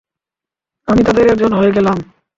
আমি তাদের একজন হয়ে গেলাম।